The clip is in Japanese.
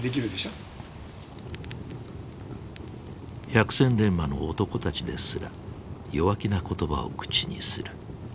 百戦錬磨の男たちですら弱気な言葉を口にする。